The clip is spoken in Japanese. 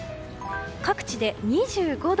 各地で２５度。